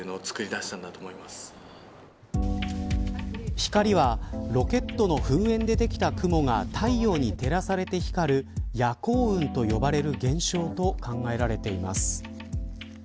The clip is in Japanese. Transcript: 光はロケットの噴煙でできた雲が太陽に照らされて光る夜行雲と呼ばれる現象と考えられています。